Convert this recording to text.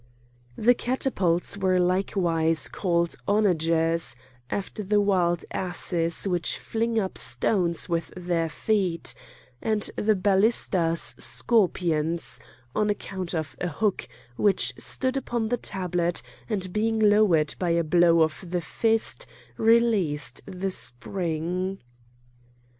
The catapults were likewise called onagers, after the wild asses which fling up stones with their feet, and the ballistas scorpions, on account of a hook which stood upon the tablet, and being lowered by a blow of the fist, released the spring.